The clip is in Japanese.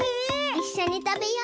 いっしょにたべよう！